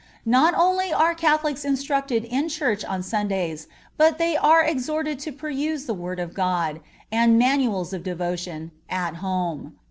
Not only are Catholics instructed in church on Sundays but they are exhorted to peruse the Word of God, and manuals of devotion, at home.